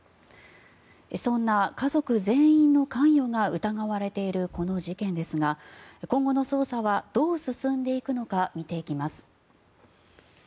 そんな家族全員の関与が疑われているこの事件ですが今後の捜査はどう進んでいくのか見ていきます。